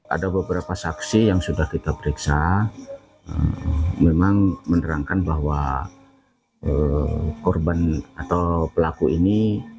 ada beberapa saksi yang sudah kita periksa memang menerangkan bahwa korban atau pelaku ini